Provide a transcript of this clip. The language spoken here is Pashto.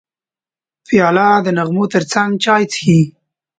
پیاله د نغمو ترڅنګ چای څښي.